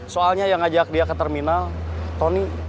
soalnya yang ngajak dia ke terminal tony